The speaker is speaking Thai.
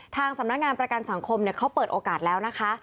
ทางสำนักงานประกันสังคมเขาเปิดโอกาสแล้วนะคะ